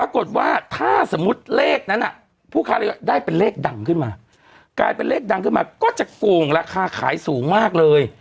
ขายได้เป็นเลขดังขึ้นมาก็จะฟู่งราคาขายสูงมากเลย